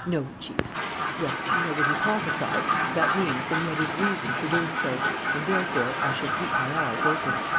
"No, Chief." "Well, you know what he prophesied. That means that he had his reasons for doing so. And therefore I shall keep my eyes open."